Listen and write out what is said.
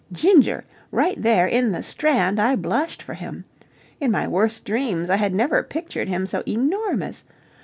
Ginger! Right there in the Strand I blushed for him. In my worst dreams I had never pictured him so enormous.